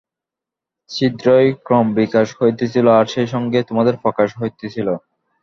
ছিদ্রেরই ক্রমবিকাশ হইতেছিল, আর সেই সঙ্গে তোমাদের প্রকাশ হইতেছিল।